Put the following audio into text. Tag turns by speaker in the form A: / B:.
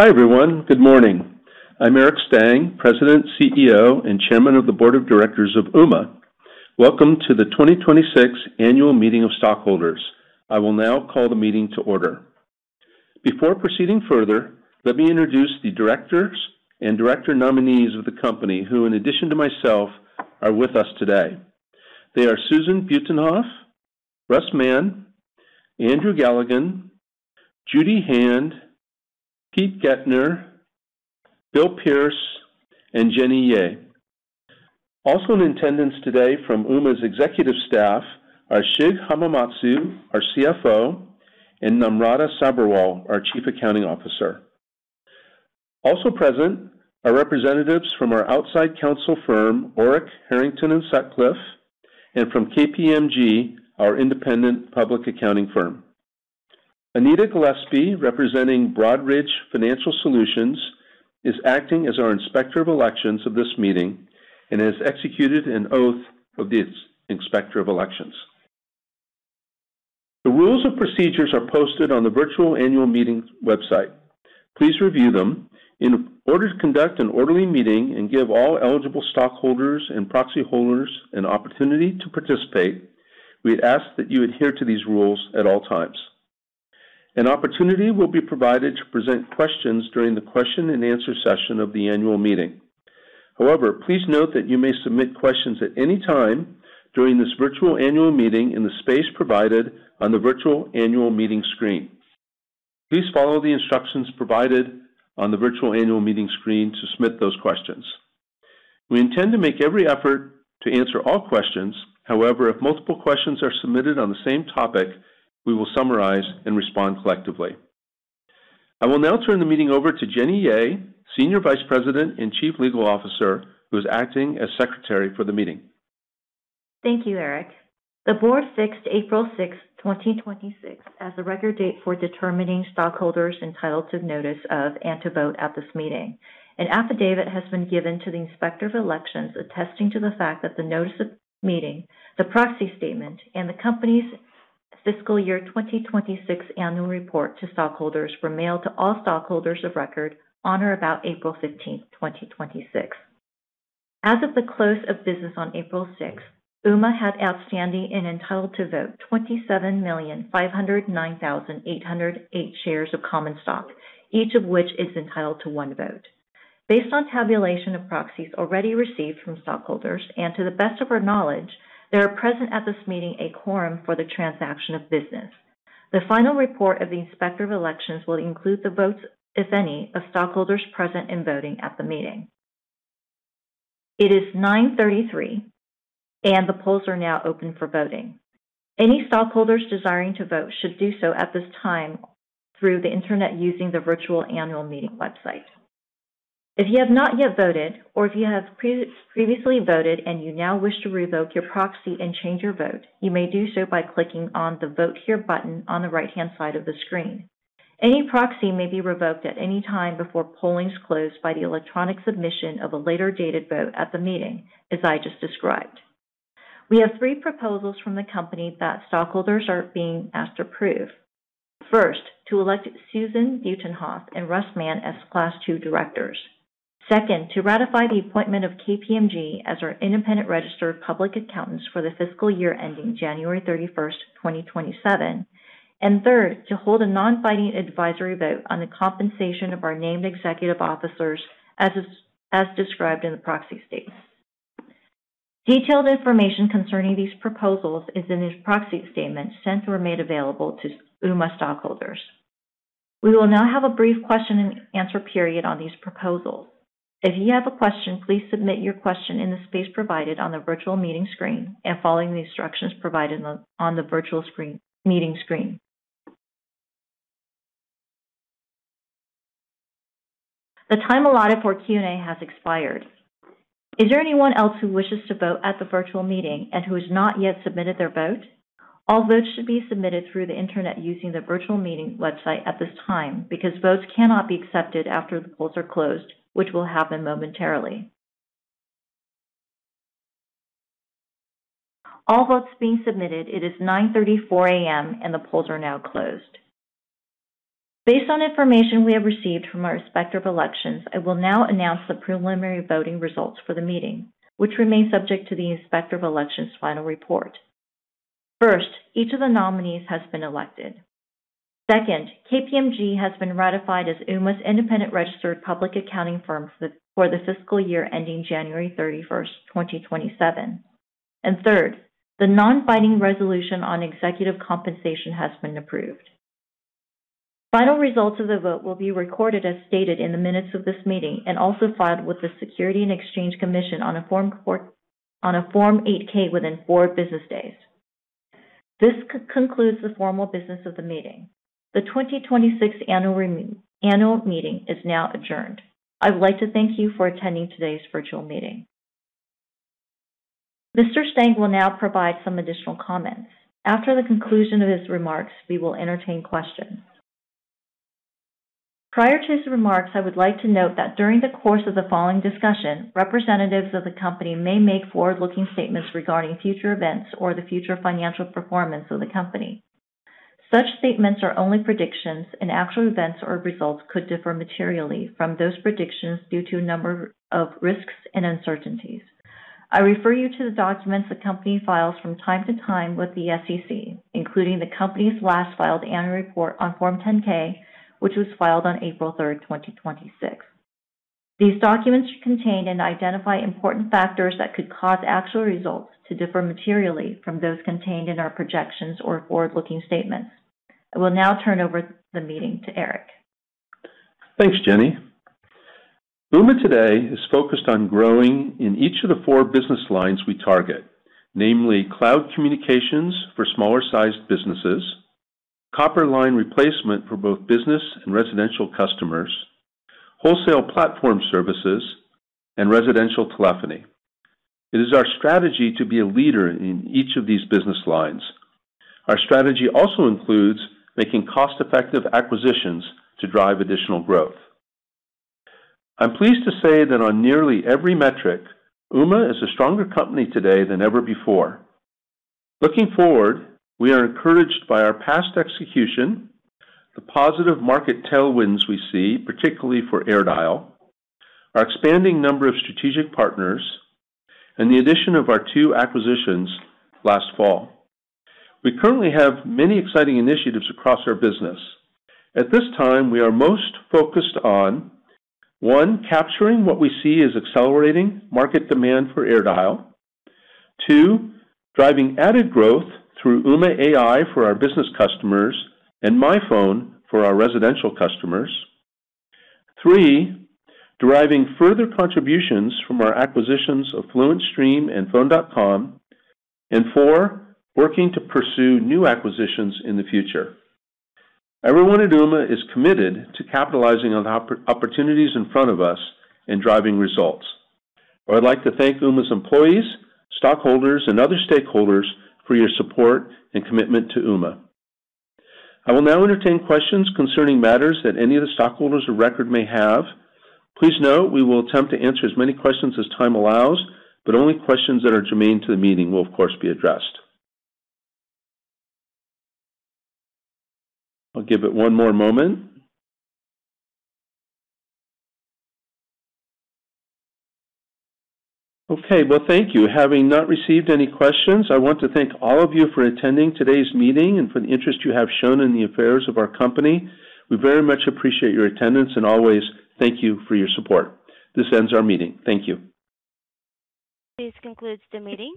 A: Hi, everyone. Good morning. I'm Eric Stang, President, CEO, and Chairman of the Board of Directors of Ooma. Welcome to the 2026 Annual Meeting of Stockholders. I will now call the meeting to order. Before proceeding further, let me introduce the directors and director nominees of the company, who in addition to myself, are with us today. They are Susan Butenhoff, Russ Mann, Andrew Galligan, Judi Hand, Pete Goettner, Bill Pearce, and Jenny Yeh. Also in attendance today from Ooma's executive staff are Shig Hamamatsu, our CFO, and Namrata Sabharwal, our Chief Accounting Officer. Also present are representatives from our outside counsel firm, Orrick, Herrington & Sutcliffe, and from KPMG, our independent public accounting firm. Anita Gillespie, representing Broadridge Financial Solutions, is acting as our Inspector of Elections of this meeting and has executed an oath of the Inspector of Elections. The rules and procedures are posted on the virtual annual meeting website. Please review them. In order to conduct an orderly meeting and give all eligible stockholders and proxy holders an opportunity to participate, we ask that you adhere to these rules at all times. An opportunity will be provided to present questions during the question and answer session of the annual meeting. Please note that you may submit questions at any time during this virtual annual meeting in the space provided on the virtual annual meeting screen. Please follow the instructions provided on the virtual annual meeting screen to submit those questions. We intend to make every effort to answer all questions. If multiple questions are submitted on the same topic, we will summarize and respond collectively. I will now turn the meeting over to Jenny Yeh, Senior Vice President and Chief Legal Officer, who is acting as Secretary for the meeting.
B: Thank you, Eric. The board fixed April 6th, 2026, as the record date for determining stockholders entitled to notice of and to vote at this meeting. An affidavit has been given to the Inspector of Elections attesting to the fact that the notice of meeting, the proxy statement, and the company's fiscal year 2026 annual report to stockholders were mailed to all stockholders of record on or about April 15th, 2026. As of the close of business on April 6th, Ooma had outstanding and entitled to vote 27,509,808 shares of common stock, each of which is entitled to one vote. Based on tabulation of proxies already received from stockholders, and to the best of our knowledge, there are present at this meeting a quorum for the transaction of business. The final report of the Inspector of Elections will include the votes, if any, of stockholders present in voting at the meeting. It is 9:33 A.M., and the polls are now open for voting. Any stockholders desiring to vote should do so at this time through the Internet using the virtual annual meeting website. If you have not yet voted, or if you have previously voted and you now wish to revoke your proxy and change your vote, you may do so by clicking on the Vote Here button on the right-hand side of the screen. Any proxy may be revoked at any time before polls closed by the electronic submission of a later-dated vote at the meeting, as I just described. We have three proposals from the company that stockholders are being asked to approve. First, to elect Susan Butenhoff and Russ Mann as Class II directors. Second, to ratify the appointment of KPMG as our independent registered public accountants for the fiscal year ending January 31st, 2027. Third, to hold a non-binding advisory vote on the compensation of our named executive officers as described in the proxy statement. Detailed information concerning these proposals is in the proxy statement sent or made available to Ooma stockholders. We will now have a brief question and answer period on these proposals. If you have a question, please submit your question in the space provided on the virtual meeting screen and following the instructions provided on the virtual meeting screen. The time allotted for Q&A has expired. Is there anyone else who wishes to vote at the virtual meeting and who has not yet submitted their vote? All votes should be submitted through the Internet using the virtual meeting website at this time, because votes cannot be accepted after the polls are closed, which will happen momentarily. All votes being submitted. It is 9:34 A.M. The polls are now closed. Based on information we have received from our Inspector of Elections, I will now announce the preliminary voting results for the meeting, which remain subject to the Inspector of Elections final report. First, each of the nominees has been elected. Second, KPMG has been ratified as Ooma's independent registered public accounting firm for the fiscal year ending January 31st, 2027. Third, the non-binding resolution on executive compensation has been approved. Final results of the vote will be recorded as stated in the minutes of this meeting and also filed with the Securities and Exchange Commission on a Form 8-K within four business days. This concludes the formal business of the meeting. The 2026 annual meeting is now adjourned. I would like to thank you for attending today's virtual meeting. Mr. Stang will now provide some additional comments. After the conclusion of his remarks, we will entertain questions. Prior to his remarks, I would like to note that during the course of the following discussion, representatives of the company may make forward-looking statements regarding future events or the future financial performance of the company. Such statements are only predictions, and actual events or results could differ materially from those predictions due to a number of risks and uncertainties. I refer you to the documents the company files from time to time with the SEC, including the company's last filed annual report on Form 10-K, which was filed on April 3rd, 2026. These documents contain and identify important factors that could cause actual results to differ materially from those contained in our projections or forward-looking statements. I will now turn over the meeting to Eric.
A: Thanks, Jenny. Ooma today is focused on growing in each of the four business lines we target, namely cloud communications for smaller-sized businesses, copper line replacement for both business and residential customers, wholesale platform services, and residential telephony. It is our strategy to be a leader in each of these business lines. Our strategy also includes making cost-effective acquisitions to drive additional growth. I'm pleased to say that on nearly every metric, Ooma is a stronger company today than ever before. Looking forward, we are encouraged by our past execution, the positive market tailwinds we see, particularly for AirDial, our expanding number of strategic partners, and the addition of our two acquisitions last fall. We currently have many exciting initiatives across our business. At this time, we are most focused on, one, capturing what we see as accelerating market demand for AirDial. Two, driving added growth through Ooma AI for our business customers and [miPhone] for our residential customers. Three, deriving further contributions from our acquisitions of FluentStream and Phone.com. Four, working to pursue new acquisitions in the future. Everyone at Ooma is committed to capitalizing on opportunities in front of us and driving results. I would like to thank Ooma's employees, stockholders, and other stakeholders for your support and commitment to Ooma. I will now entertain questions concerning matters that any of the stockholders of record may have. Please note we will attempt to answer as many questions as time allows, but only questions that are germane to the meeting will, of course, be addressed. I'll give it one more moment. Okay, well, thank you. Having not received any questions, I want to thank all of you for attending today's meeting and for the interest you have shown in the affairs of our company. We very much appreciate your attendance and always thank you for your support. This ends our meeting. Thank you.
B: This concludes the meeting.